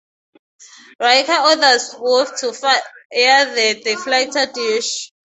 Riker orders Worf to fire the deflector dish.